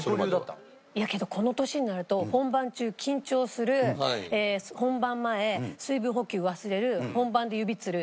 いやけどこの年になると本番中緊張する本番前水分補給忘れる本番で指つる。